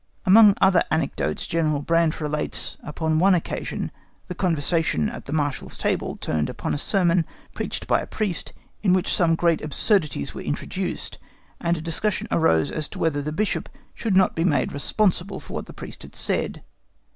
Amongst other anecdotes, General Brandt relates that, upon one occasion, the conversation at the Marshal's table turned upon a sermon preached by a priest, in which some great absurdities were introduced, and a discussion arose as to whether the Bishop should not be made responsible for what the priest had said.